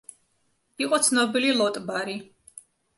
იყო ცნობილი ლოტბარი.